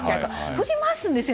振り回すんですよ。